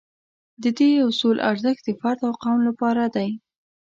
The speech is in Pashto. د دې اصول ارزښت د فرد او قوم لپاره دی.